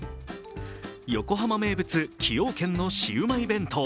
横浜名物・崎陽軒のシウマイ弁当。